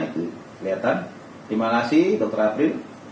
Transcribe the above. terima kasih dr yapril